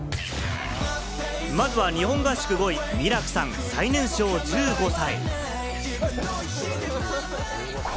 まずは日本合宿５位・ミラクさん、最年少１５歳。